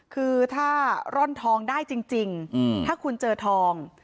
คือถ้าร่อนทองได้จริงถ้าคุณเจอทอง